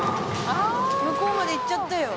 あ向こうまで行っちゃったよ